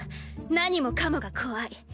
何もかもが怖い。